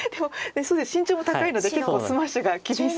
身長も高いので結構スマッシュが厳しそうですね。